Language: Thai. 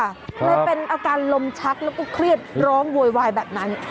เลยเป็นอาการลมชักแล้วก็เครียดร้องโวยวายแบบนั้น